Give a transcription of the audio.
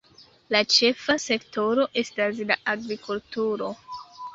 La ĉefa sektoro estas la agrikulturo.